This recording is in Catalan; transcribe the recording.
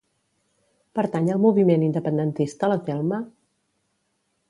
Pertany al moviment independentista la Thelma?